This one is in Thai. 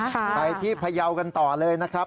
ไปที่พยาวกันต่อเลยนะครับ